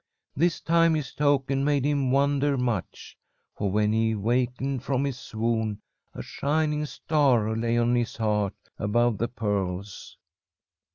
This time his token made him wonder much. For when he wakened from his swoon, a shining star lay on his heart above the pearls.